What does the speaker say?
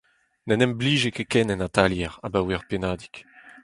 N’en em blije ket ken en atalier abaoe ur pennadig.